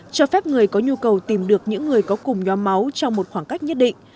cho phép người có nhu cầu tìm được những người có cùng nhóm máu trong một khoảng cách nhất định